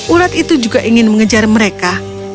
urat itu juga ingin mengejar mereka